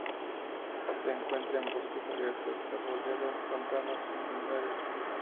Se encuentra en bosques abiertos, arboledas, pantanos y manglares.